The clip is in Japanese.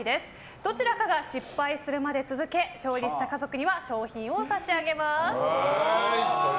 どちらかが失敗するまで続け勝利した家族には賞品を差し上げます。